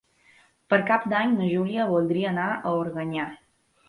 Per Cap d'Any na Júlia voldria anar a Organyà.